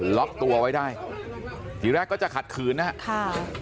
ล็อกตัวไว้ได้ทีแรกก็จะขัดขืนนะครับ